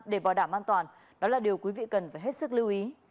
để bảo đảm an toàn đó là điều quý vị cần phải hết sức lưu ý